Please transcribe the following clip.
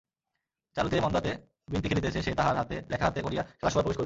চারুতে মন্দাতে বিন্তি খেলিতেছে, সে তাহার লেখা হাতে করিয়া খেলাসভায় প্রবেশ করিল।